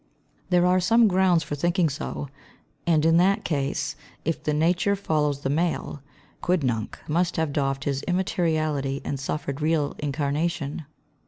There are some grounds for thinking so, and in that case, if "the nature follows the male," Quidnunc must have doffed his immateriality and suffered real incarnation.